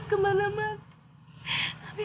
teksi udah lama orangouver